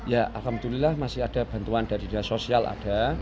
ya alhamdulillah masih ada bantuan dari dinas sosial ada